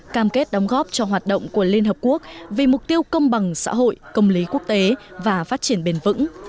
cam kết đóng góp cho hoạt động của liên hợp quốc vì mục tiêu công bằng xã hội công lý quốc tế và phát triển bền vững